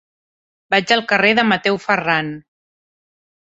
Vaig al carrer de Mateu Ferran.